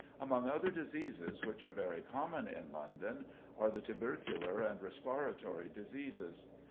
Among other diseases which are very common in London are the tubercular and respiratory diseases.